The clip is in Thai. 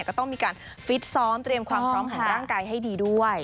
ก็ต้องมีการฟิตซ้อมเตรียมความพร้อมแห่งร่างกายให้ดีด้วย